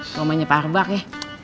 ke rumahnya pak arbak ya